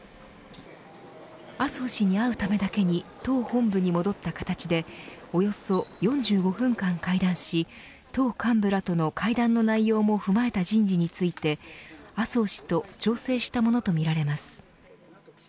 麻生氏に会うためだけに党本部に戻った形でおよそ４５分間、会談し党幹部らとの会談の内容も踏まえた人事について麻生氏と調整したものとみられます。